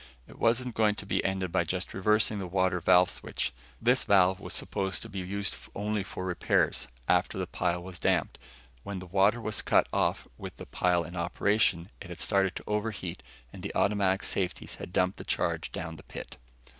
It wasn't going to be ended by just reversing the water valve switch. This valve was supposed to be used only for repairs, after the pile was damped. When the water was cut off with the pile in operation, it had started to overheat and the automatic safeties had dumped the charge down the pit.